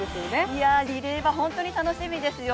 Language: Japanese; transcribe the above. いやリレーは本当に楽しみですよね。